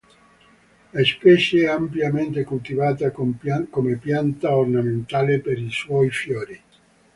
La specie è ampiamente coltivata come pianta ornamentale per i suoi fiori.